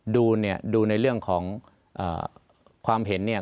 ดูเนี่ยดูในเรื่องของความเห็นเนี่ย